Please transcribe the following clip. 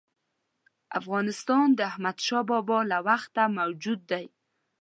افغانستان د احمدشاه بابا له وخته موجود دی.